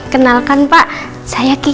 kenalkan pak saya kiki